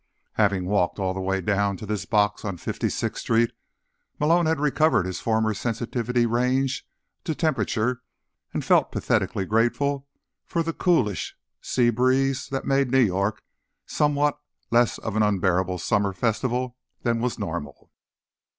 Having walked all the way down to this box on 56th Street, Malone had recovered his former sensitivity range to temperature and felt pathetically grateful for the coolish sea breeze that made New York somewhat less of an unbearable Summer Festival than was normal.